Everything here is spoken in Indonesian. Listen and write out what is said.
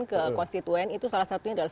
ke konstituen itu salah satunya adalah